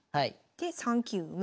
で３九馬。